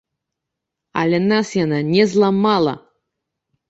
Але нас яна не зламала.